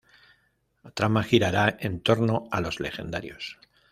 La trama girará en torno a los legendarios.